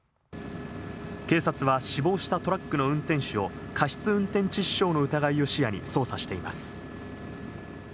警察は死亡したトラックの運転手を、過失運転致死傷の疑いを視野に捜査しています。